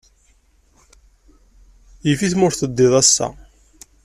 Yif-it ma ur teddiḍ ass-a.